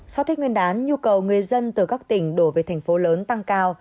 sau tết nguyên đán nhu cầu người dân từ các tỉnh đổ về thành phố lớn tăng cao